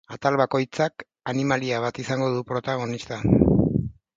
Atal bakoitzak animalia bat izango du protagonista.